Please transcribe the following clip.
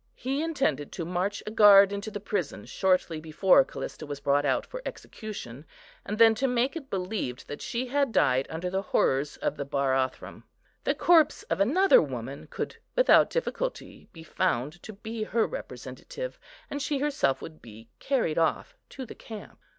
He intended to march a guard into the prison shortly before Callista was brought out for execution, and then to make it believed that she had died under the horrors of the Barathrum. The corpse of another woman could without difficulty be found to be her representative, and she herself would be carried off to the camp.